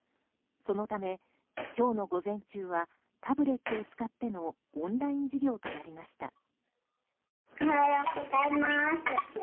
そのため、今日の午前中はタブレットを使ってのオンライン授業となりました。